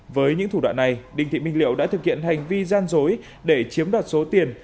với những thủ đoạn này đinh thị minh liệu đã thực hiện hành vi gian dối để chiếm đoạt số tiền